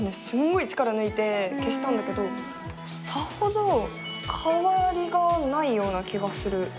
すごい力ぬいて消したんだけどさほど変わりがないような気がする。